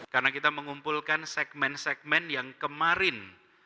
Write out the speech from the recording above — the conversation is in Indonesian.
karena kita mengumpulkan segmen segmen yang kemarin